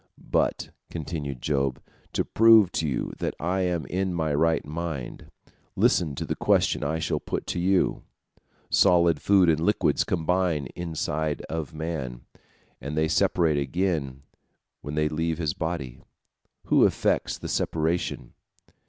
"But," continued Job, "to prove to you that I am in my right mind, listen to the question I shall put to you. Solid food and liquids combine inside of man, and they separate again when they leave his body. Who effects the separation?"